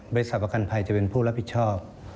ประกันภัยจะเป็นผู้รับผิดชอบ